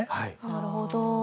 なるほど。